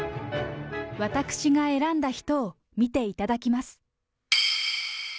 私が選んだ人を見ていただきます。